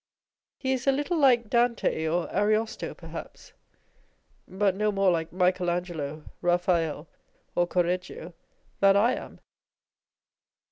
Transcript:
He is a little like Dante or Ariosto, perhaps ; but no more like Michael Angelo, Eaphael, or Correggio, than I am.